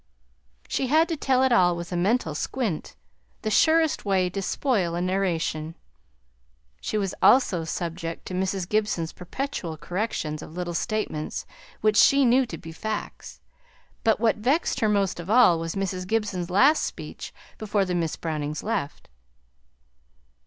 She had to tell it all with a mental squint; the surest way to spoil a narration. She was also subject to Mrs. Gibson's perpetual corrections of little statements which she knew to be facts. But what vexed her most of all was Mrs. Gibson's last speech before the Miss Brownings left.